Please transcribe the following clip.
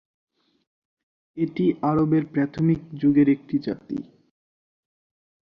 এটি আরবের প্রাথমিক যুগের একটি জাতি।